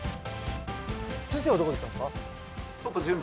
先生はどこ行ったんですか？